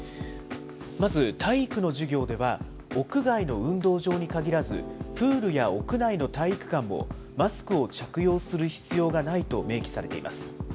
まず体育の授業では、屋外の運動場に限らず、プールや屋内の体育館もマスクを着用する必要がないと明記されています。